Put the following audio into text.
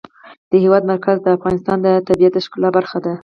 د هېواد مرکز د افغانستان د طبیعت د ښکلا برخه ده.